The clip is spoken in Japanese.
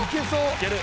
いける！